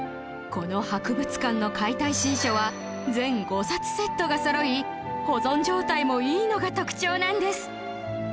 この博物館の『解体新書』は全５冊セットがそろい保存状態もいいのが特徴なんです